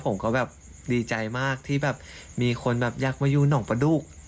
ผมก็แบบดีใจมากที่แบบมีคนแบบอยากมาอยู่หนองประดุก